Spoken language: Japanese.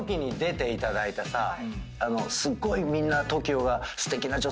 すっごいみんなＴＯＫＩＯが。